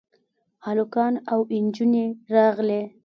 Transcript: هلکان او نجونې راغلې.